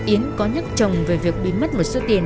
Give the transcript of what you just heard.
yến có nhắc chồng về việc bị mất một số tiền